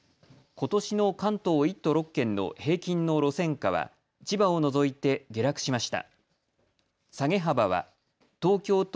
ことしの関東１都６県の平均の路線価は千葉を除いて下落しました。